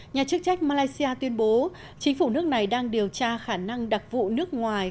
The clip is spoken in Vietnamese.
nhà chức trách malaysia tuyên bố chính phủ nước này đang điều tra khả năng đặc vụ nước ngoài